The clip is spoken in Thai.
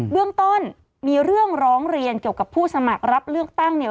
เรื่องต้นมีเรื่องร้องเรียนเกี่ยวกับผู้สมัครรับเลือกตั้งเนี่ย